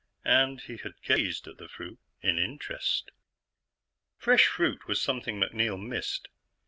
And he had gazed at the fruit in interest. Fresh fruit was something MacNeil missed.